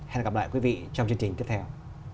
hẹn gặp lại quý vị trong chương trình tiếp theo